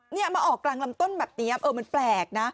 เนี่ยมาออกกลางลำต้นแบบนี้เออมันแปลกนะ